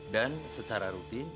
dan secara rupiah